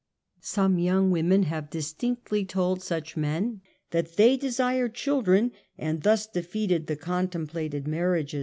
V Some young women have distinctly told such men xthat they desired children, and thus defeated the contemplated marriages.